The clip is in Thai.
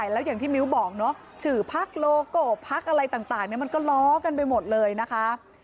แล้วอย่างที่มิ้วบอกเนาะชื่อพักโลโก้พักอะไรต่างมันก็ล้อกันไปหมดเลยนะคะ